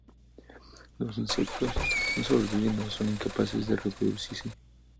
Los insectos no sobreviven o son incapaces de reproducirse.